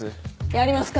やりますか！